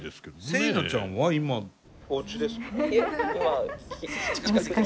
セイナちゃんは今おうちですか？